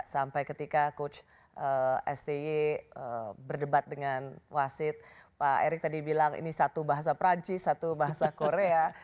sampai ketika coach sby berdebat dengan wasit pak erick tadi bilang ini satu bahasa perancis satu bahasa korea